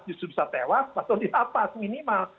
justru bisa tewas pasti bisa lepas minimal